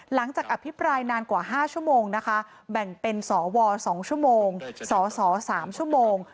อภิปรายนานกว่า๕ชั่วโมงนะคะแบ่งเป็นสว๒ชั่วโมงสส๓ชั่วโมง